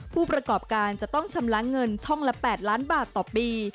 ผู้ประกอบการจะต้องชำระเงินช่องละ๘ล้านบาทต่อปี